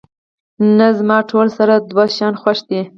نه، زما ټول سره دوه شیان خوښ دي.